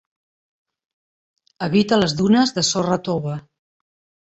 Evita les dunes de sorra tova.